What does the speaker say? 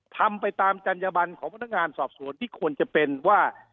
ทำไปตามจัญญบันของพนักงานสอบสวนที่ควรจะเป็นว่า